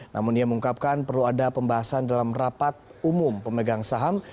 namun ia mengungkapkan perlu ada pembahasan dalam rapat umum pemegang saham